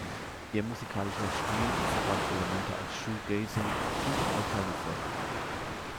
Ihr musikalischer Stil verband Elemente aus Shoegazing und Alternative Rock.